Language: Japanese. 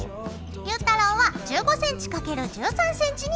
ゆうたろうは１５ｃｍ×１３ｃｍにカット。